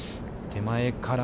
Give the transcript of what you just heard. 手前から。